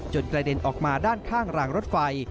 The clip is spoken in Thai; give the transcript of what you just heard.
กระเด็นออกมาด้านข้างรางรถไฟ